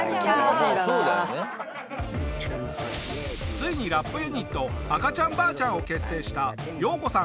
ついにラップユニット「赤ちゃん婆ちゃん」を結成したヨウコさん